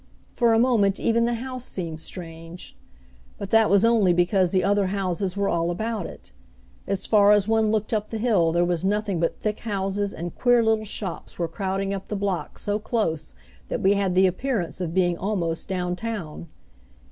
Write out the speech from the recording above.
For a moment even the house seemed strange. But that was only because the other houses were all about it. As far as one looked up the hill there was nothing but thick houses, and queer little shops were crowding up the block so close that we had the appearance of being almost down town.